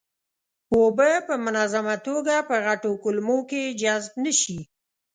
اوبه په منظمه توګه په غټو کولمو کې جذب نشي.